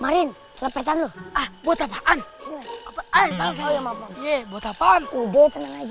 marin lepetan loh buat apaan